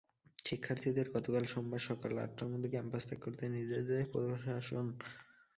শিক্ষার্থীদের গতকাল সোমবার সকাল আটটার মধ্যে ক্যাম্পাস ত্যাগ করতে নির্দেশ দেয় প্রশাসন।